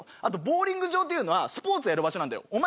あとボウリング場っていうのはスポーツやる場所なんだよ